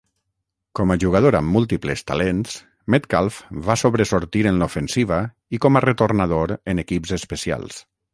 Com a jugador amb múltiples talents, Metcalf va sobresortir en l'ofensiva i com a retornador en equips especials.